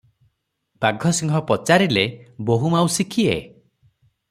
ବାଘସିଂହ ପଚାରିଲେ, "ବୋହୁ ମାଉସୀ କିଏ?